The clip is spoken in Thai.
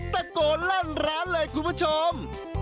ตะโกนลั่นร้านเลยคุณผู้ชม